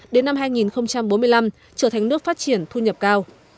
đến năm hai nghìn bốn mươi năm trở thành nước phát triển thu nhập cao